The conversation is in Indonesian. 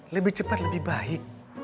lebih cepat lebih baik